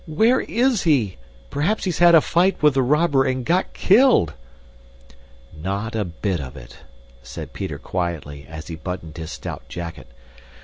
"Where is he? Perhaps he's had a fight with the robber and got killed." "Not a bit of it," said Peter quietly as he buttoned his stout jacket.